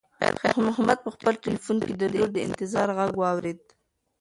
خیر محمد په خپل تلیفون کې د لور د انتظار غږ واورېد.